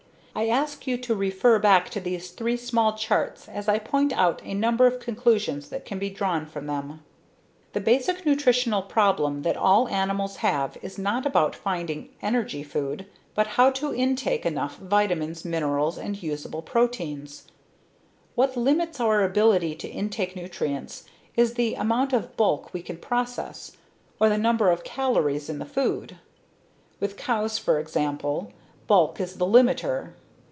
I ask you to refer back to these three small charts as I point out a number of conclusions that can be drawn from them. The basic nutritional problem that all animals have is not about finding energy food, but how to intake enough vitamins, minerals and usable proteins. What limits our ability to intake nutrients is the amount of bulk we can process or the number of calories in the food. With cows, for example, bulk is the limiter.